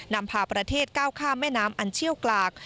นำพาประเทศก้าวข้ามแม่น้ำอันเชี่ยวกลาก